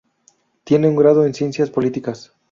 Tiene un grado en Ciencias Políticas.